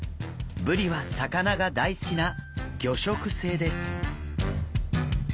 ブリは魚が大好きな魚食性です。